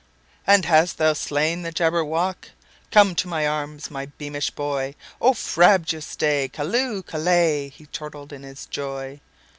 "And hast thou slain the Jabberwock? Come to my arms, my beamish boy!O frabjous day! Callooh! Callay!"He chortled in his joy.